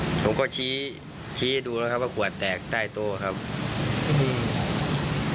อืมผมก็ชี้ชี้ดูแล้วครับว่าขวดแตกใต้โต๊ะครับอืม